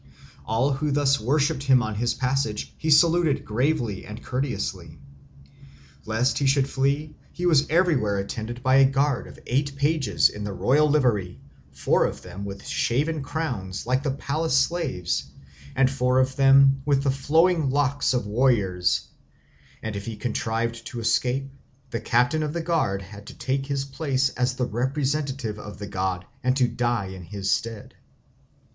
All who thus worshipped him on his passage he saluted gravely and courteously. Lest he should flee, he was everywhere attended by a guard of eight pages in the royal livery, four of them with shaven crowns like the palace slaves, and four of them with the flowing locks of warriors; and if he contrived to escape, the captain of the guard had to take his place as the representative of the god and to die in his stead.